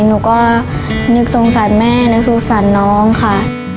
หนูก็นึกสงสารแม่นึกสงสารน้องค่ะ